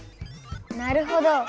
なるほど。